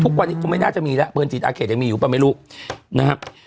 ทุกวันนี้คงไม่น่าจะมีแล้วปืนจีนอาเขตยังมีอยู่ป่ะไม่รู้นะครับ